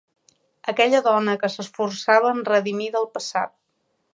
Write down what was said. Aquella dona que s'esforçava en redimir del passat.